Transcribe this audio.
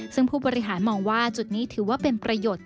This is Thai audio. ซึ่งผู้บริหารมองว่าจุดนี้ถือว่าเป็นประโยชน์